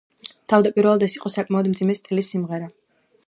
თავდაპირველად ეს იყო საკმაოდ მძიმე სტილის სიმღერა.